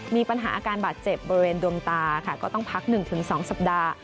มีอาการบาดเจ็บบริเวณดวงตาค่ะก็ต้องพัก๑๒สัปดาห์